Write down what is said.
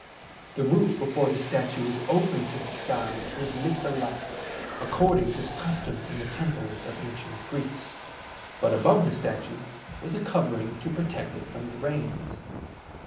The roof before the statue was open to the sky to admit the light, according to the custom in the temples of ancient Greece, but above the statue was a covering to protect it from the rains.